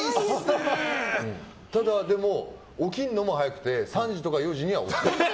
ただ、でも起きるのも早くて３時とか４時には起きる。